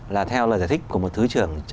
là theo lời giải thích của một thứ trưởng